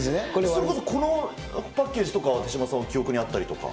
そもそも、このパッケージとかは手嶋さん、記憶にあったりとか。